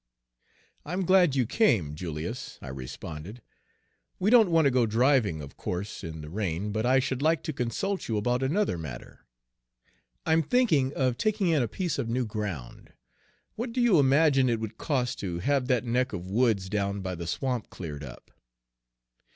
"I 'm glad you came, Julius," I responded. "We don't want to go driving, of course, in the rain, but I should like to consult you about another matter. I'm thinking of taking in a piece of new ground. What do you imagine it would cost to have that neck of woods down by the swamp cleared up?"